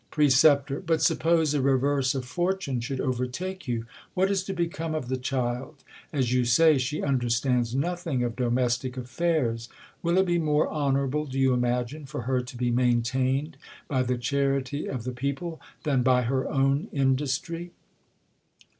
Precep. But suppose a reverse of fortune should overtake you, what is to become of the child ; as you say she understands nothing of domestic affairs ? Will it be more honorable, do you imagine, for her to be maintained by the charity of the people, than by her own industry